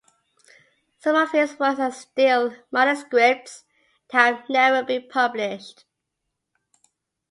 Some of his works are still manuscripts that have never been published.